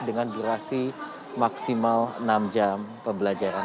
dengan durasi maksimal enam jam pembelajaran